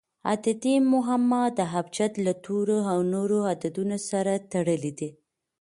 عددي معما د ابجد له تورو او نورو عددونو سره تړلي دي.